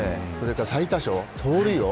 最多勝、盗塁王